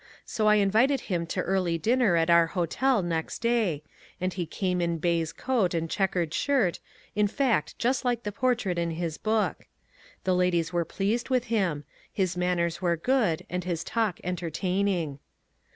So I invited him to early dinner at our hotel next day, and he came in baize coat and chequered shirt, in fact just like the portrait in his book. The ladies were pleased with him ; his manners were good, and his talk entertaining.